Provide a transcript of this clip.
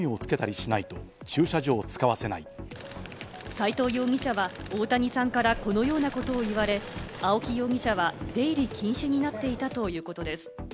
斎藤容疑者は大谷さんからこのようなことを言われ、青木容疑者は出入り禁止になっていたということです。